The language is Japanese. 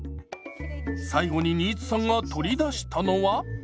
最後に新津さんが取り出したのは。